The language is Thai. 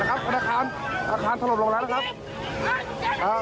นะครับอาคารอาคารถล่มลงมาแล้วนะครับอ่า